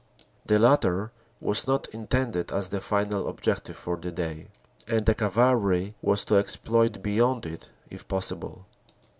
The latter was not intended as the final objective for the day, and the Cavalry was to exploit beyond it if possible.